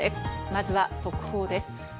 まずは速報です。